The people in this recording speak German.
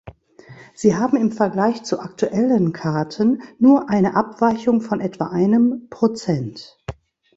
Sie haben im Vergleich zu aktuellen Karten nur eine Abweichung von etwa einem Prozent.